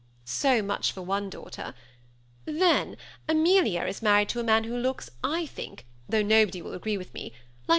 So much for one daughter. Then Amelia is married to a man who looks, / think, though nobody 42 THE SEMI ATTACHED COUPLE.